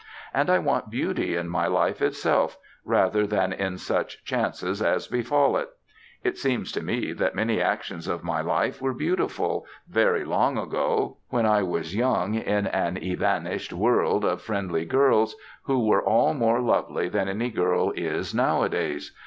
And I want beauty in my life itself, rather than in such chances as befall it. It seems to me that many actions of my life were beautiful, very long ago, when I was young in an evanished world of friendly girls, who were all more lovely than any girl is nowadays.